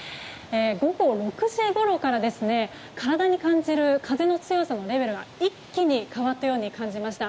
午後６時ごろから体に感じる風の強さのレベルが一気に変わったように感じました。